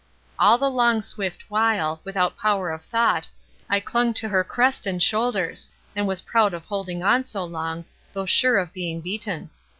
All the long swift while, without power of thought, I clung to her crest and shoulders, and was proud of holding on so long, though sure of being beaten.